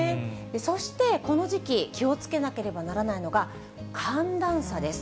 そして、この時期、気をつけなければならないのが寒暖差です。